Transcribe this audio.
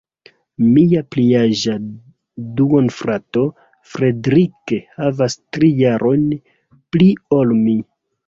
Mia pliaĝa duonfrato, Fredrik, havas tri jarojn pli ol mi.